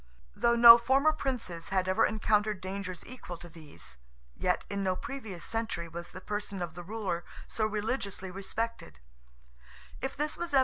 Though no former princes had ever encountered dangers equal to these—yet in no previous century was the person of the ruler so religiously respected.